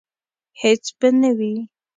هیڅ به نه وي